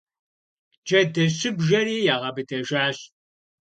Джэдэщыбжэри ягъэбыдэжащ.